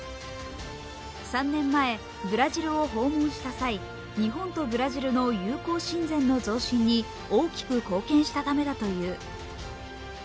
３年前、ブラジルを訪問した際、日本とブラジルの友好親善の増進に大きく貢献したためだという。